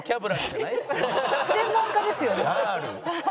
専門家ですよね。